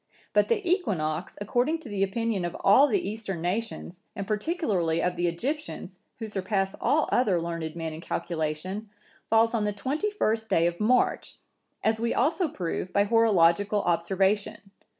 But the equinox, according to the opinion of all the Eastern nations, and particularly of the Egyptians,(966) who surpass all other learned men in calculation, falls on the twenty first day of March, as we also prove by horological observation.